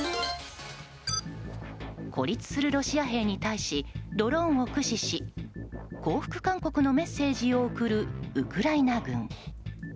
孤立するロシア兵に対しドローンを駆使し降伏勧告のメッセージを送るウクライナ軍。